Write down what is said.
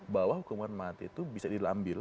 bahwa hukuman mati itu bisa diambil